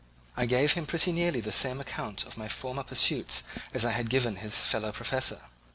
I gave him pretty nearly the same account of my former pursuits as I had given to his fellow professor.